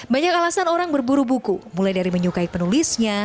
banyak alasan orang berburu buku mulai dari menyukai penulisnya